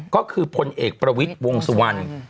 ก็คือพลเอกประวิทย์วงสุวรรณ